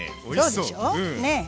そうでしょ？ねえ。